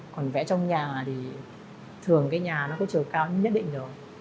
còn vẽ trong nhà thì thường cái nhà nó có chiều cao nhất định được